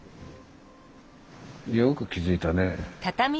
よく気付いたね。